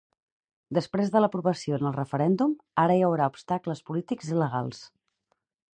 Després de l'aprovació en el referèndum, ara hi hauran obstacles polítics i legals.